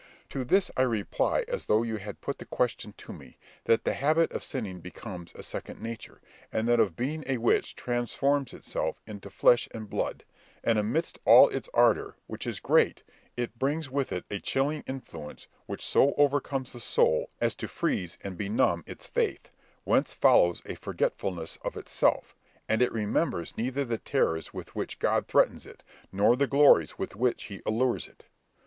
To this I reply, as though you had put the question to me, that the habit of sinning becomes a second nature, and that of being a witch transforms itself into flesh and blood; and amidst all its ardour, which is great, it brings with it a chilling influence which so overcomes the soul as to freeze and benumb its faith, whence follows a forgetfulness of itself, and it remembers neither the terrors with which God threatens it, nor the glories with which he allures it.